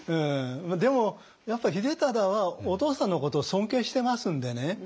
でもやっぱ秀忠はお父さんのことを尊敬してますんでね。